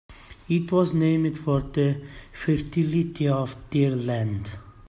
It was named for the fertility of their land.